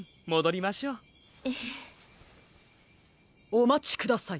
おまちください。